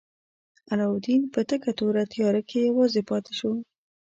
علاوالدین په تکه توره تیاره کې یوازې پاتې شو.